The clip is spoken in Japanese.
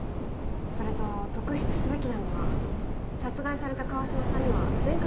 それと特筆すべきなのは殺害された川島さんには前科があるということです。